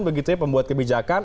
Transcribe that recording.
begitunya pembuat kebijakan